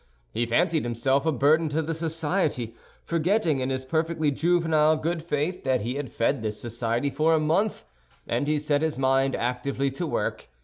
He fancied himself a burden to the society, forgetting in his perfectly juvenile good faith that he had fed this society for a month; and he set his mind actively to work.